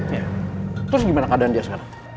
terus gimana keadaan dia sekarang